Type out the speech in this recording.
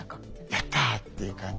「やった！」っていう感じで。